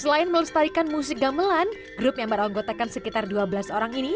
selain melestarikan musik gamelan grup yang beranggotakan sekitar dua belas orang ini